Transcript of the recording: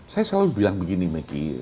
saya selalu bilang begini maggie